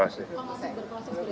oh masih berproses